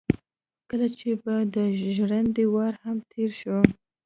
کله چې به د ژرندې وار هم تېر شو.